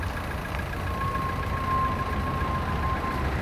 First, accelerated organic matter decomposition from tillage ends under the sod crop.